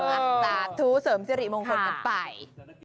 สาธุเสริมสิริมงคลกันไป